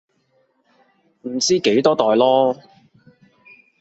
唔知幾多代囉